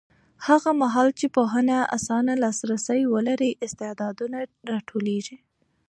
هغه مهال چې پوهنه اسانه لاسرسی ولري، استعدادونه راټوکېږي.